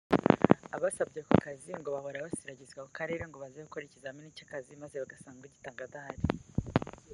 Abasabye ako kazi ngo bahora basiragizwa ku karere ngo baze gukora ikizamini cy’akazi maze bagasanga ugitanga adahari